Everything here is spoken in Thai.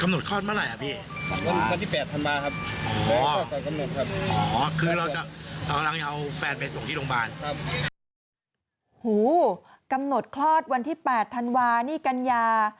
หูกำหนดคลอดวันที่๘ธันวานี่กันยา